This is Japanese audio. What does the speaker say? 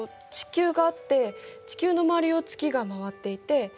地球があって地球の周りを月が回っていて。